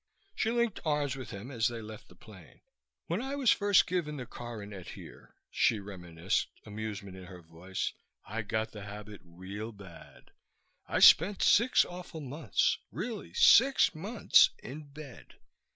She linked arms with him as they left the plane. "When I was first given the coronet here," she reminisced, amusement in her voice, "I got the habit real bad. I spent six awful months really, six months in bed!